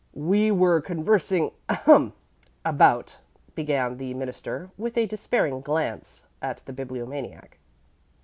"We were conversing ahem! about " began the Minister, with a despairing glance at the Bibliomaniac.